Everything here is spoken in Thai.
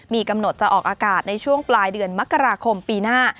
มีกำหนดจะออกอากาศในช่วงปลายเดือนมกราคมปีหน้า